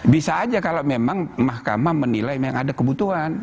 bisa aja kalau memang mahkamah menilai memang ada kebutuhan